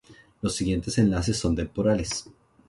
Los siguientes enlaces son temporales.